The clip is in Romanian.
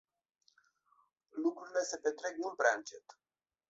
Lucrurile se petrec mult prea încet.